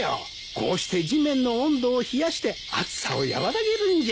こうして地面の温度を冷やして暑さを和らげるんじゃ。